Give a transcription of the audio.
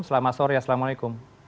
selamat sore assalamualaikum